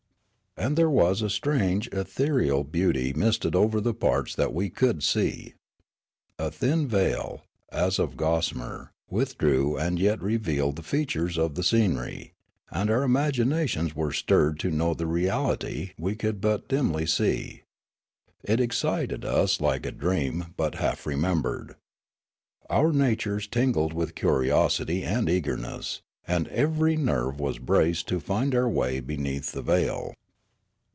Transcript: And there was a strange ethereal beauty misted over the parts that we could see. A thin veil, as of gos samer, withdrew and yet revealed the features of the scenery ; and our imaginations were stirred to know the reality we could but dimly see. It excited us like a dream but half remembered. Our natures tingled with curiosity and eagerness ; and ev^ery nerve was braced to find our way beneath the veil.